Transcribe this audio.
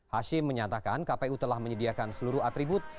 hashim menyatakan kpu telah menyediakan seluruh atribut